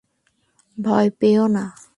ভয় পেয়ো না।